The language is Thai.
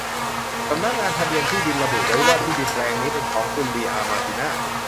สำนักงานทะเบียนที่ดินระบุว่าที่ดินแปลงนี้เป็นของคุณลีอาห์ มาร์ติน่า